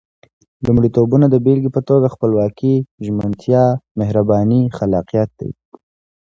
لومړيتوبونه د بېلګې په توګه خپلواکي، ژمنتيا، مهرباني، خلاقيت دي.